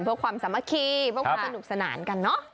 เพื่อความสำหรัภิพุอเวียนแข่งขนาดนี้ลงขั่งกันเนอะ